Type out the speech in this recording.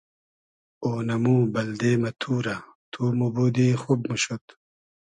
اۉنئمو بئلدې مۂ تورۂ تو موبودی خوب موشود